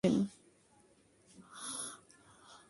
Bharat cricket দলের বিপক্ষেই তিনি অধিক সফলকাম হয়েছেন।